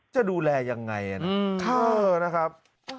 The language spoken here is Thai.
จะดูแลยังไงนะเธอนะครับ